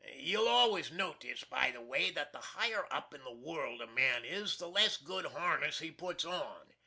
You'll always notiss, by the way, that the higher up in the world a man is, the less good harness he puts on.